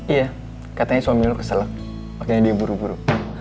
iya katanya suami lo kesel makanya dia buru buru